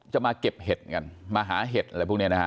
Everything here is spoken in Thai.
จะมาเก็บเห็ดกันมาหาเห็ดอะไรพวกนี้นะฮะ